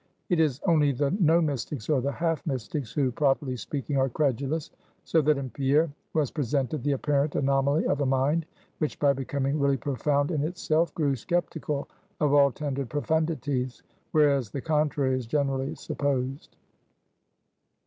It is only the no mystics, or the half mystics, who, properly speaking, are credulous. So that in Pierre, was presented the apparent anomaly of a mind, which by becoming really profound in itself, grew skeptical of all tendered profundities; whereas, the contrary is generally supposed.